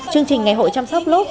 chương trình ngày hội chăm sóc lốp